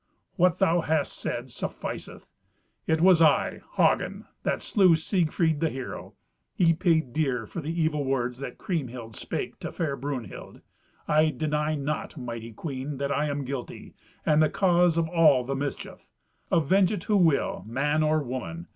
What thou hast said sufficeth. It was I, Hagen, that slew Siegfried, the hero. He paid dear for the evil words that Kriemhild spake to fair Brunhild. I deny not, mighty queen, that I am guilty, and the cause of all the mischief. Avenge it who will, man or woman.